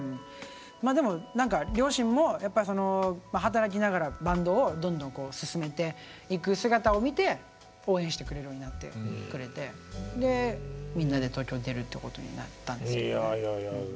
まあでも何か両親もやっぱりその働きながらバンドをどんどん進めていく姿を見て応援してくれるようになってくれてでみんなで東京へ出るってことになったんですけどね。